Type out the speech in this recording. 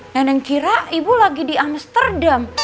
neneng kira ibu lagi di amsterdam